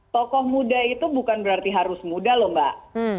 tokoh muda itu bukan berarti harus muda loh mbak